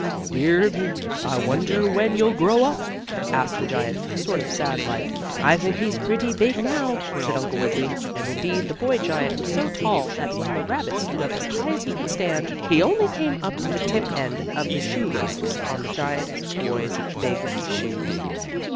"Dear me! I wonder when you'll grow up?" asked the giant, sort of sad like. "I think he's pretty big now," said Uncle Wiggily. And, indeed, the boy giant was so tall that when the rabbit stood up as high as he could stand, he only came up to the tip end of the shoe laces on the giant boy's big shoes.